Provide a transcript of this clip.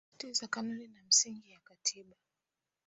wanatakiwa kusisitiza kanuni na msingi ya katiba